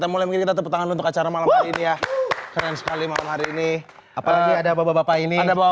tapi kalau diri kita berbicara seperti posisinya f internet terus atau air langsung